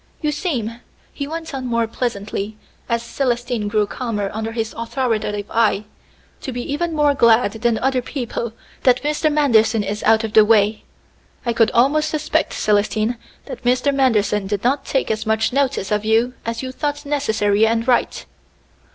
You seem," he went on more pleasantly, as Célestine grew calmer under his authoritative eye, "to be even more glad than other people that Mr. Manderson is out of the way. I could almost suspect, Célestine, that Mr. Manderson did not take as much notice of you, as you thought necessary and right."